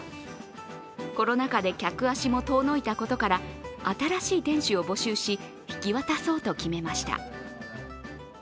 コロナ禍で客足も遠のいたことから、新しい店主を募集し、引き渡そうと決めました。